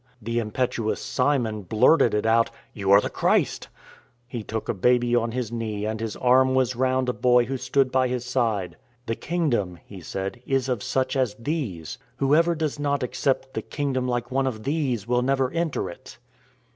" the impetuous Simon blurted it out :" You are the Christ !" He took a baby on His knee and His arm was round a boy who stood by His side. " The Kingdom," he said, " is of such as these. Whoever does not accept the Kingdom like one of these will never enter it."